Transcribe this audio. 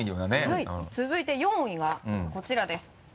はい続いて４位がこちらです。